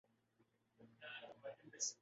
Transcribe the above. نوازشریف صاحب کی اصل طاقت یہی ہے۔